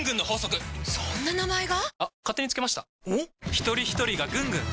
ひとりひとりがぐんぐん！